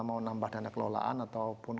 mau nambah dana kelolaan ataupun